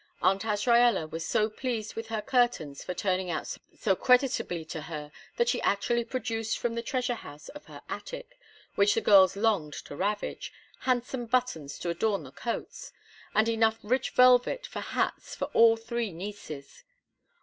Aunt Azraella was so pleased with her curtains for turning out so creditably to her that she actually produced from the treasure house of her attic, which the girls longed to ravage, handsome buttons to adorn the coats, and enough rich velvet for hats for all three nieces.